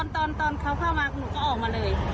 ตอนเขาเข้ามาหนูก็ออกมาเลย